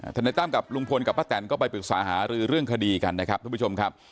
นายตั้มกับลุงพลกับป้าแตนก็ไปปรึกษาหารือเรื่องคดีกันนะครับทุกผู้ชมครับ